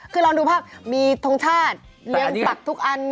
คือลองดูภาพมีทรงชาติเรียงปักทุกอัน